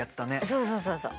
そうそうそうそう。